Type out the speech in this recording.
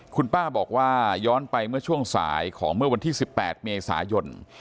คุณป้าบอกว่าย้อนไปเมื่อช่วงสายของเมื่อวันที่๑๘เมษายน